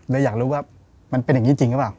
อยากรู้ว่ามันเป็นอย่างนี้จริงหรือเปล่า